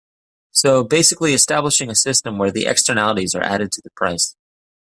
So basically establishing a system where the externalities are added to the price.